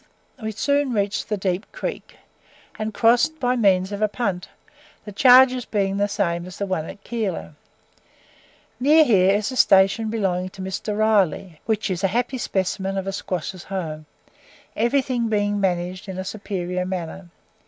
We soon reached the Deep Creek, and crossed by means of a punt, the charges being the same as the one at Keilor. Near here is a station belonging to Mr. Ryleigh, which is a happy specimen of a squatter's home everything being managed in a superior manner.